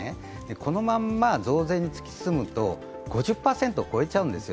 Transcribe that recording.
このまま増税に突き進むと５０％を超えちゃうんですよ。